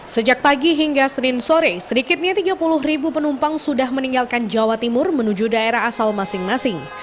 sejak pagi hingga senin sore sedikitnya tiga puluh ribu penumpang sudah meninggalkan jawa timur menuju daerah asal masing masing